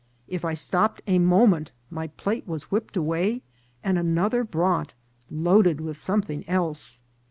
If I stopped a moment my plate was whipped away, and another brought, loaded with something else.